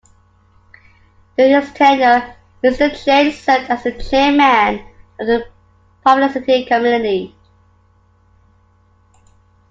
During his tenure, Mr. Cheng served as the Chairman of the Publicity Committee.